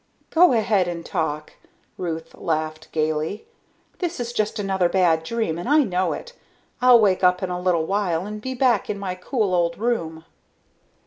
"Go ahead and talk," Ruth laughed gaily. "This is just another bad dream and I know it. I'll wake up in a little while and be back in my cool old room."